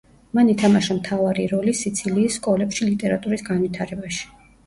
მან ითამაშა მთავარი როლი სიცილიის სკოლებში ლიტერატურის განვითარებაში.